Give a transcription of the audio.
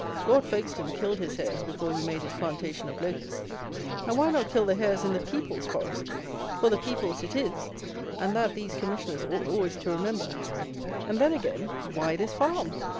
Lord Folkestone killed his hares before he made his plantation of Locusts; and, why not kill the hares in the people's forest; for the people's it is, and that these Commissioners ought always to remember. And then, again, why this farm?